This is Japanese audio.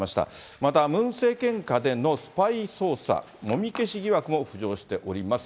またムン政権下でのスパイ捜査、もみ消し疑惑も浮上しております。